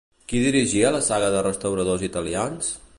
Qui dirigia la saga de restauradors italians?